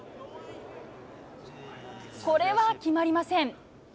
これは決まりません。